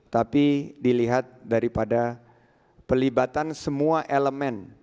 tapi dilihat daripada pelibatan semua elemen